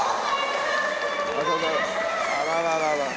あらららら。